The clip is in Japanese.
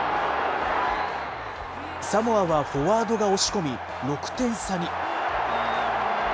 サモアはフォワードが押し込み、６点差に。